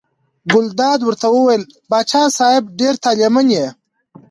ګلداد ورته وویل: پاچا صاحب ډېر طالع من یې.